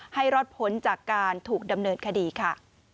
ให้รอดพ้นจากการถูกดำเนินคดีค่ะ